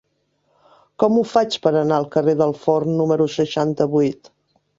Com ho faig per anar al carrer del Forn número seixanta-vuit?